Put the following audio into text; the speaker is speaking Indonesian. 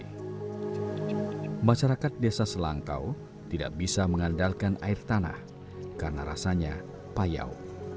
ini masyarakat desa selangkau tidak bisa mengandalkan air tanah karena rasanya payau